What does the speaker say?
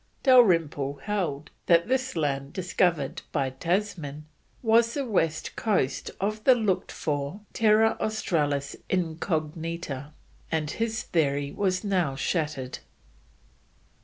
Dalrymple held that this land discovered by Tasman was the west coast of the looked for Terra Australis Incognita, and his theory was now shattered.